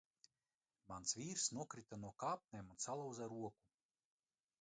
Mans vīrs nokrita no kāpnēm un salauza roku.